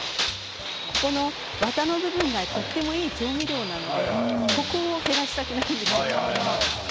ここの、わたの部分がとてもいい調味料なのでここを減らしたくないんですよ。